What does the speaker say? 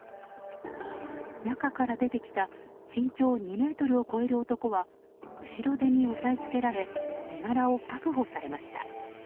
中から出てきた身長２ｍを超える男は後ろ手に押さえつけられ身柄を確保されました。